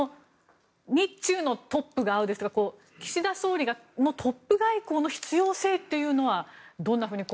日中のトップが会うですとか岸田総理のトップ外交の必要性というのはどんなふうに。